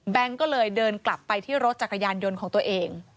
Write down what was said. ก็เลยเดินกลับไปที่รถจักรยานยนต์ของตัวเอง